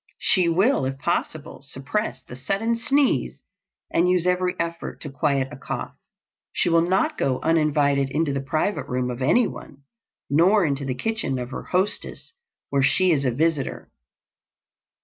She will if possible suppress the sudden sneeze, and use every effort to quiet a cough. She will not go uninvited into the private room of anyone, nor into the kitchen of her hostess where she is a visitor.